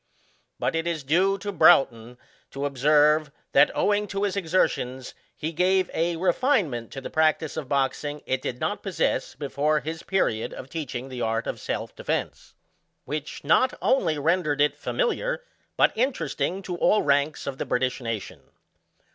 But it is due to Broughton to observe, that, owing to his exertions, he gave a RtiFiNgMENT to the practice of boxing it did not possess before his period of teaching the art of se!f defence, which not only rendered it familiar, but interesting to all ranks of the British nation.